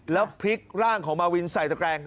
แล้วพลิกร่างของมาวินใส่ตะแกรง